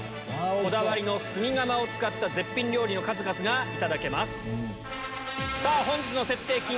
こだわりの炭窯を使った絶品料理の数々がいただけます。